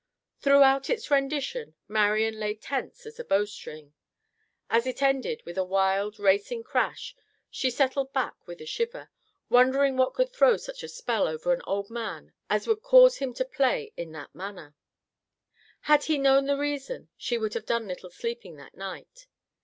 Throughout its rendition, Marian lay tense as a bow string. As it ended with a wild, racing crash, she settled back with a shiver, wondering what could throw such a spell over an old man as would cause him to play in that manner. Had she known the reason she would have done little sleeping that night.